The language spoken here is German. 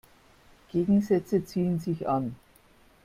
Gegensätze ziehen sich an.